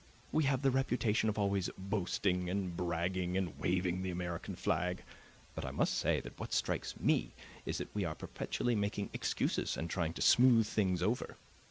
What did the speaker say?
We have the reputation of always boasting and bragging and waving the American flag; but I must say that what strikes me is that we are perpetually making excuses and trying to smooth things over.